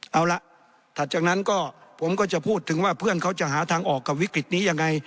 เอาล่ะถัดจากนั้นก็ผมก็จะพูดถึงว่าเพื่อนเขาจะหาทางออกกับวิกฤตนี้ยังไง